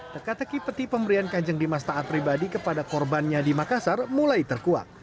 teka teki peti pemberian kanjeng dimas taat pribadi kepada korbannya di makassar mulai terkuat